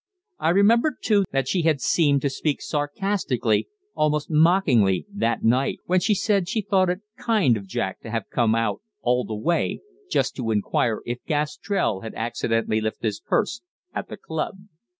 I remembered too that she had seemed to speak sarcastically, almost mockingly, that night when she had said she thought it kind of Jack to have come out "all that way" just to inquire if Gastrell had accidentally left his purse at the club.